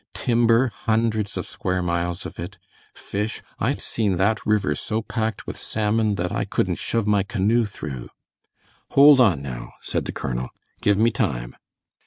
Timber, hundreds of square miles of it, fish I've seen that river so packed with salmon that I couldn't shove my canoe through " "Hold on, now," said the colonel, "give me time."